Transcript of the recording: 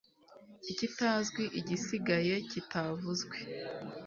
ikitazwi igisigaye kitavuzwe